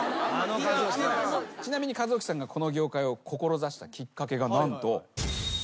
ちなみに和興さんがこの業界を志したきっかけが何と。